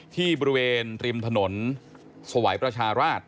ที่บริเวณริมถนนสวัยประชาราช